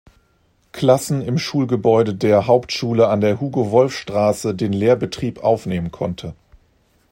Klassen im Schulgebäude der "Hauptschule an der Hugo-Wolf-Straße" den Lehrbetrieb aufnehmen konnte.